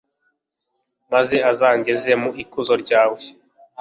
maze uzangeze mu ikuzo ryawe